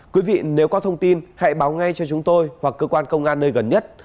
quý vị nếu có thông tin hãy báo ngay cho chúng tôi hoặc cơ quan công an nơi gần nhất